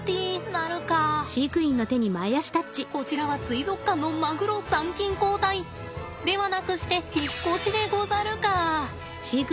こちらは水族館のマグロ参勤交代ではなくして引っ越しでござるか。